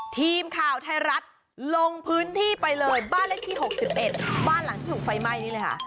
ทีมข่าวไทยรัฐลงพื้นที่ไปเลยบ้านเลขที่๖๑บ้านหลังที่ถูกไฟไหม้นี่เลยค่ะ